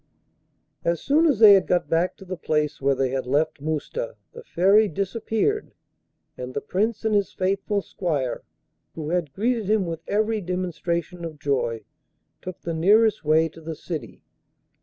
As soon as they had got back to the place where they had left Mousta the Fairy disappeared, and the Prince and his faithful Squire, who had greeted him with every demonstration of joy, took the nearest way to the city.